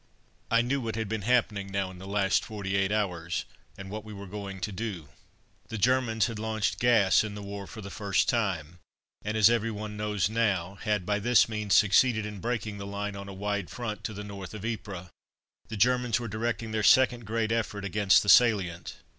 I knew what had been happening now in the last forty eight hours, and what we were going to do. The Germans had launched gas in the war for the first time, and, as every one knows now, had by this means succeeded in breaking the line on a wide front to the north of Ypres. The Germans were directing their second great effort against the Salient.